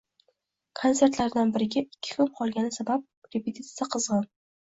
Konsertlardan biriga ikki kun qolgani sabab repitisiya qizg`in